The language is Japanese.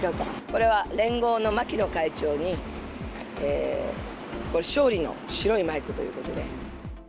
これは連合の牧野会長に、これ、勝利の白いマイクということで。